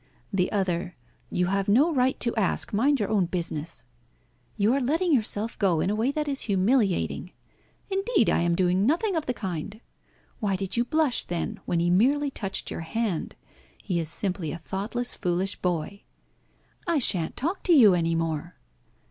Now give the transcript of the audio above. The other, "You have no right to ask. Mind your own business." "You are letting yourself go in a way that is humiliating." "Indeed, I am doing nothing of the kind." "Why did you blush, then, when he merely touched your hand? He is simply a thoughtless, foolish boy." "I shan't talk to you any more."